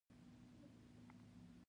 هلته به نور مجاهدين ټرېننگ درکي.